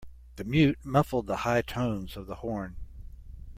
The mute muffled the high tones of the horn.